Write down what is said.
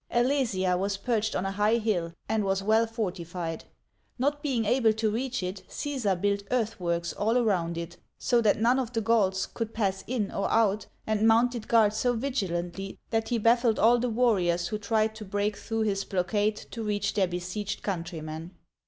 Alesia was perched on a high hill, and was well fortified. Not being able to reach it, Caesar built earth works all around it, so that none, of the Gauls could pass Digitized by Google (3o) Digitized by Google ROMANS AND GAULS 31 in or out, and mounted guard so vigilantly that he baffled all the warriors who tried to break through his blockade to reach their besieged countrymen.